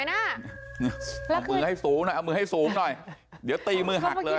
เอามือให้สูงหน่อยเอามือให้สูงหน่อยเดี๋ยวตีมือหักเลย